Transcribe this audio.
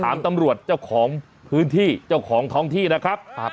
ตำรวจเจ้าของพื้นที่เจ้าของท้องที่นะครับ